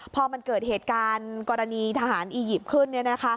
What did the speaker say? พอมันเกิดเหตุการณ์กรณีทหารอียิปต์ขึ้น